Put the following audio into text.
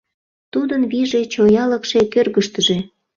Тудын вийже, чоялыкше — кӧргыштыжӧ.